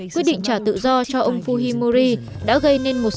quyết định trả tự do cho ông fujimori đã gây nên một số lỗi